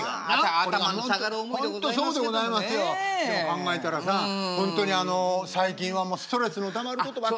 考えたらさほんとに最近はストレスのたまることばっかしや。